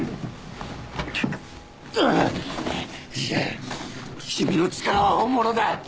いや君の力は本物だ！